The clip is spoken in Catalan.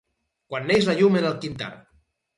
Quan neix la llum en el quintar.